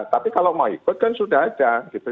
tapi kalau mau ikut kan sudah ada gitu